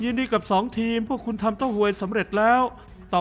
ดีกับสองทีมพวกคุณทำเต้าหวยสำเร็จแล้วตอบ